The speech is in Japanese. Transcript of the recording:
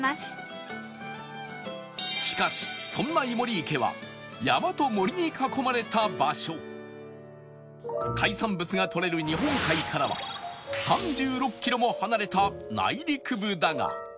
しかしそんないもり池は山と森に囲まれた場所海産物がとれる日本海からは３６キロも離れた内陸部だが